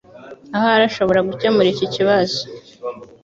Ahari ashobora gukemura iki kibazo.